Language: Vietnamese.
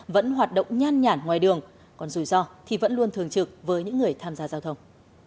vẫn hoạt động nhan nhản ngoài đường còn rủi ro thì vẫn luôn thường trực với những người tham gia giao thông